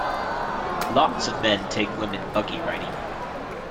Lots of men take women buggy riding.